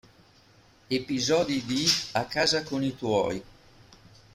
Episodi di A casa con i tuoi